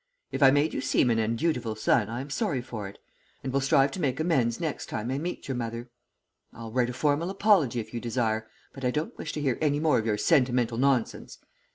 If I made you seem an undutiful son, I am sorry for it, and will strive to make amends next time I meet your mother. I'll write a formal apology if you desire, but I don't wish to hear any more of your sentimental nonsense.